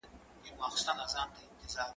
زه به سبا ليکنې وکړم؟